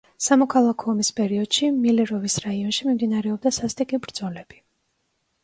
სამოქალაქო ომის პერიოდში მილეროვოს რაიონში მიმდინარეობდა სასტიკი ბრძოლები.